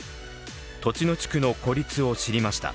栃野地区の孤立を知りました。